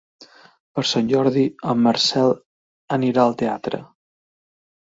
Per Sant Jordi en Marcel anirà al teatre.